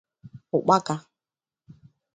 ụkpaka